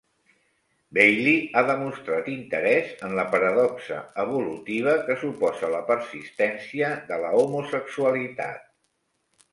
Bailey ha demostrat interès en la paradoxa evolutiva que suposa la persistència de la homosexualitat.